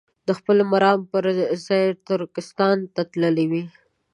د خپل مرام پر ځای ترکستان ته تللي وي.